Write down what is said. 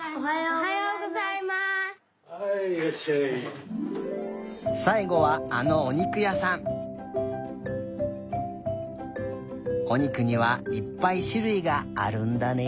おにくにはいっぱいしゅるいがあるんだね。